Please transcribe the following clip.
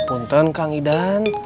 untun kang idan